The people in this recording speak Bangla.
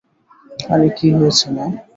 আরে কি হয়েছে, মা?